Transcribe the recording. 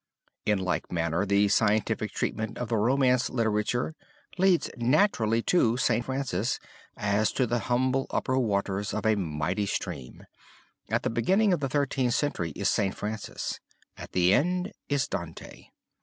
In like manner, the scientific treatment of the Romance literature leads naturally to St. Francis as to the humble upper waters of a mighty stream; at the beginning of the Thirteenth Century is St. Francis, at the end is Dante.